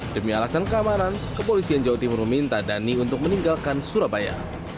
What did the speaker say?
demi alasan keamanan kepolisian jawa timur meminta dhani untuk meninggalkan surabaya